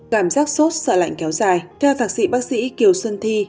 gảm giác sốt sợ lạnh kéo dài